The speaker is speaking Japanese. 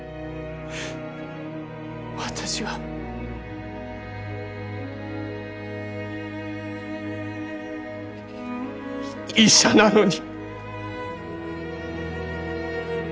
私は医者なのに。